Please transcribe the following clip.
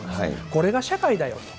これが社会だよと。